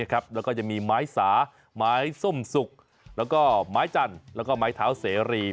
แล้วก็จะมีไม้สาไม้ส้มสุกแล้วก็ไม้จันทร์แล้วก็ไม้เท้าเสรี